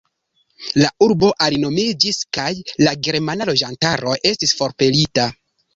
La urbo alinomiĝis kaj la germana loĝantaro estis forpelita.